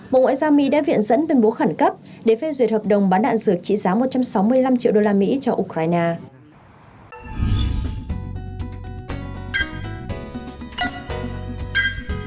một ngoại giao mỹ đã viện dẫn tuyên bố khẩn cấp để phê duyệt hợp đồng bán đạn dược trị giá một trăm sáu mươi năm triệu usd cho ukraine